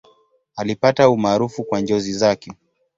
Alipata umaarufu kwa njozi zake.